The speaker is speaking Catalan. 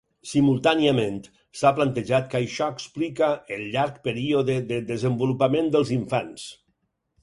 Simultàniament, s’ha plantejat que això explica el llarg període de desenvolupament dels infants.